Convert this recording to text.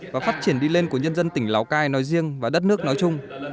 và phát triển đi lên của nhân dân tỉnh lào cai nói riêng và đất nước nói chung